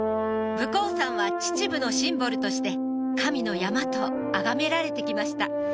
武甲山は秩父のシンボルとして神の山とあがめられて来ました